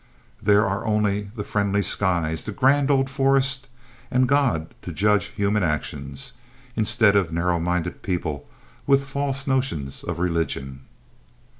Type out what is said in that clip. There are only the friendly skies, the grand old forest and God to judge human actions, instead of narrow minded people, with false notions of religion."